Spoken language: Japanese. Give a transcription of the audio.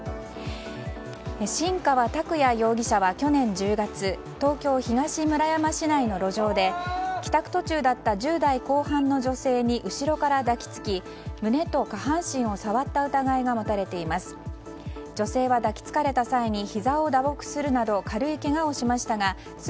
新川拓哉容疑者は去年１０月東京・東村山市内の路上で帰宅途中だった１０代後半の女性に後ろから抱き付き、胸と下半身を触った疑いが持たれています。